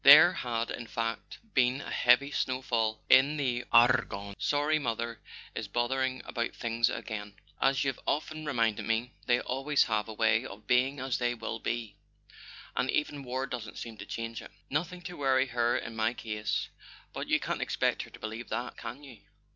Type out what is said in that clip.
(There had, in fact, been a heavy snow fall in the Ar gonne). "Sorry mother is bothering about things again; as you've often reminded me, they always have a way of 'being as they will be,' and even war doesn't seem to change it. Nothing to worry her in my case—but you can't expect her to believe that, can you